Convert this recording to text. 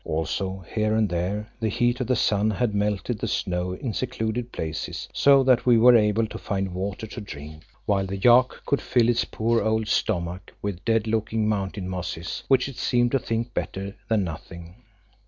Also here and there the heat of the sun had melted the snow in secluded places, so that we were able to find water to drink, while the yak could fill its poor old stomach with dead looking mountain mosses, which it seemed to think better than nothing.